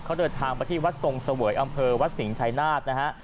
เขาเดินทางมาที่วัดทรงเสวยอำเภอวัดสิงห์ชายนาฏนะฮะ